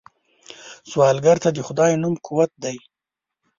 سوالګر ته د خدای نوم قوت دی